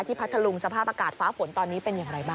พัทธลุงสภาพอากาศฟ้าฝนตอนนี้เป็นอย่างไรบ้าง